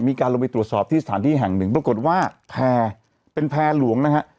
มีการลงไปตรวจสอบที่สถานที่แห่งหนึ่งปรากฏว่าแพร่เป็นแพร่หลวงนะฮะ